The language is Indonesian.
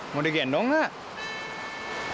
mau digendong nak